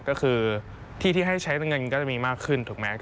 ก็คือที่ที่ให้ใช้เงินก็จะมีมากขึ้นถูกไหม